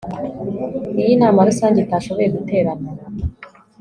iyo inama rusange itashoboye guterana